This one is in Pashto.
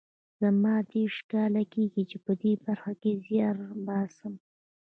زما دېرش کاله کېږي چې په دې برخه کې زیار باسم